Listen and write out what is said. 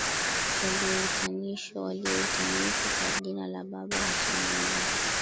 Walioitanishwa kwa jina la Baba, wachana nao.